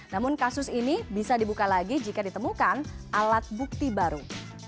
namun kasus ini bisa dibuka lagi jika ditemukan alat bukti baru